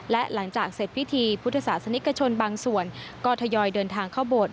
และหลังจากเสร็จพิธีพุทธศาสนิกชนบางส่วนก็ทยอยเดินทางเข้าโบสถ